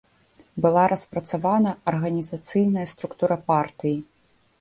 Была распрацавана арганізацыйная структура партыі.